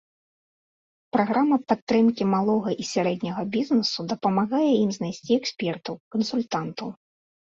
Праграма падтрымкі малога і сярэдняга бізнесу дапамагае ім знайсці экспертаў, кансультантаў.